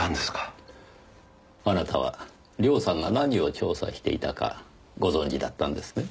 あなたは涼さんが何を調査していたかご存じだったんですね？